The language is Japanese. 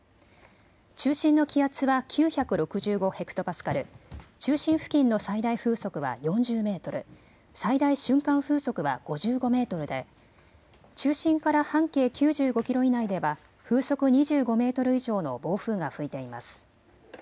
中心の気圧は９６５ヘクトパスカル、中心付近の最大風速は４０メートル、最大瞬間風速は５５メートルで中心から半径９５キロ以内では風速２５メートル以上の暴風が吹いています。